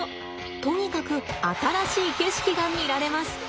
とにかく新しい景色が見られます。